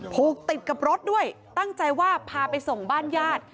ผูกติดกับรถด้วยตั้งใจว่าพาไปส่งบ้านญาติ